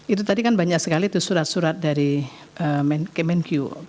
itu tadi kan banyak sekali tuh surat surat dari kemenq